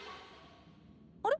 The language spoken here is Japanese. あれ？